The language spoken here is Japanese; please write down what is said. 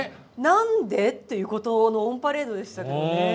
何で？っていうことのオンパレードでしたけどね。